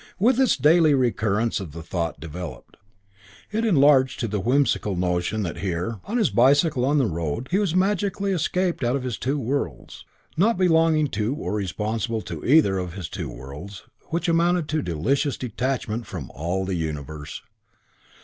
With its daily recurrence the thought developed: it enlarged to the whimsical notion that here, on his bicycle on the road, he was magically escaped out of his two worlds, not belonging to or responsible to either of his two worlds, which amounted to delicious detachment from all the universe.